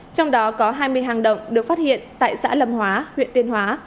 trong đó có hai mươi hàng động được phát hiện tại xã lâm hóa huyện tuyên hóa